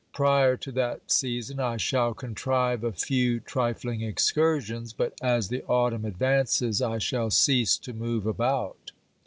Prior to that season I shall contrive a few trifling excursions, but as the autumn advances I shall cease to move about.